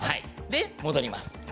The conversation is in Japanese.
戻ります。